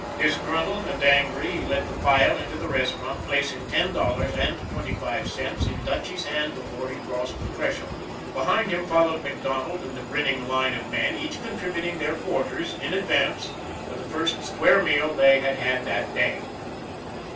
Disgruntled and angry, he led the file into the restaurant, placing ten dollars and twenty five cents in Dutchy's hand before he crossed the threshold. Behind him followed MacDonald and the grinning line of men, each contributing their quarters in advance for the first square meal they had had that day.